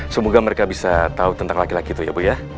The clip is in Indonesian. semoga mereka bisa tahu tentang laki laki itu ya bu ya